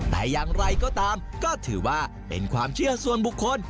แต่อย่างไรก็ตามก็ถือว่าเป็นความเชื่อส่วนบุคคล